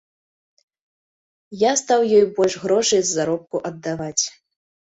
Я стаў ёй больш грошай з заробку аддаваць.